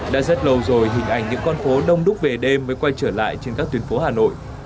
đã rất lâu rồi hình ảnh những con phố đông đúc về đêm mới quay trở lại trên các tuyến phố hà nội